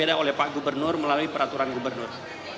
tidak oleh pak gubernur melalui peraturan gubernur